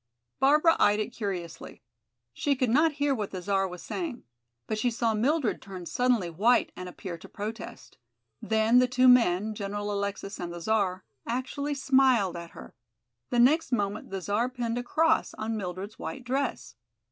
Barbara eyed it curiously. She could not hear what the Czar was saying. But she saw Mildred turn suddenly white and appear to protest. Then the two men, General Alexis and the Czar, actually smiled at her. The next moment the Czar pinned a cross on Mildred's white dress.